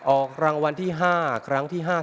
ออกรางวัลที่๕ครั้งที่๕๐